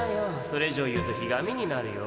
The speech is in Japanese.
それ以上言うとひがみになるよ。